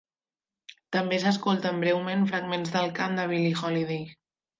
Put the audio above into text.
També s'escolten breument fragments del cant de Billie Holiday.